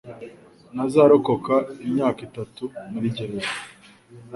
ntazarokoka imyaka itatu muri gereza.